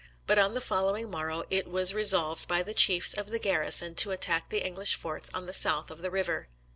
But on the following morrow it was resolved by the chiefs of the garrison to attack the English forts on the south of the river.